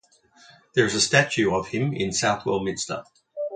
There is a statue of him in Southwell Minster.